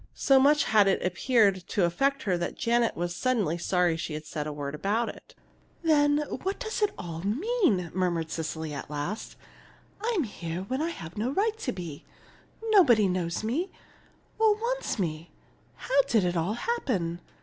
So much had it appeared to affect her that Janet was suddenly sorry she had said a word about it. "Then what does it all mean?" murmured Cecily, at last. "I'm here where I've no right to be. Nobody knows me or wants me. How did it all happen?